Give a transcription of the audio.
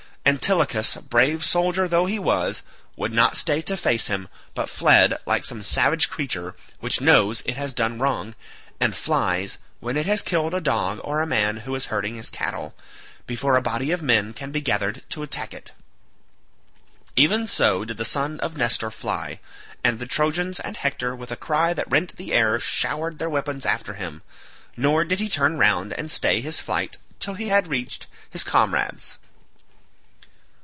Antilochus, brave soldier though he was, would not stay to face him, but fled like some savage creature which knows it has done wrong, and flies, when it has killed a dog or a man who is herding his cattle, before a body of men can be gathered to attack it. Even so did the son of Nestor fly, and the Trojans and Hector with a cry that rent the air showered their weapons after him; nor did he turn round and stay his flight till he had reached his comrades.